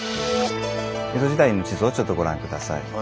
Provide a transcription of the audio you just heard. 江戸時代の地図をちょっとご覧下さい。